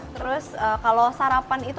terus kalau sarapan itu